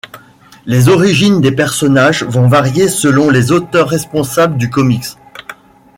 Les origines des personnages vont varier selon les auteurs responsables du comics.